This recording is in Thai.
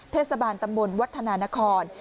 เทศบาลตำบลวัฒนานคร